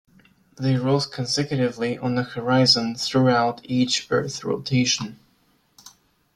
They rose consecutively on the horizon throughout each earth rotation.